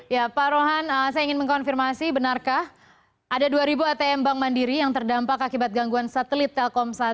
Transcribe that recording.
ya pak rohan saya ingin mengkonfirmasi benarkah ada dua atm bank mandiri yang terdampak akibat gangguan satelit telkom satu